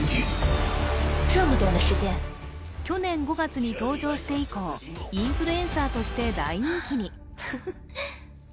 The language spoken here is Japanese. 去年５月に登場して以降インフルエンサーとして大人気に。